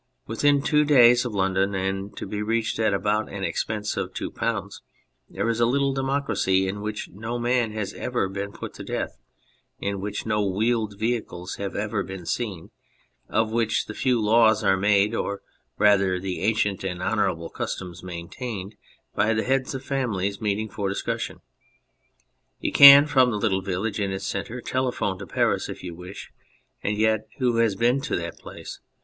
Within two days of London, and to be reached at about an expense of 2, there is a little democracy in which no man has ever been put to death, in which no wheeled vehicles have ever been seen, of which the few laws are made, or rather the ancient and honourable customs main tained, by the heads of families meeting for discussion. You can from the little village in its centre telephone to Paris if you wish, and yet who has been to that place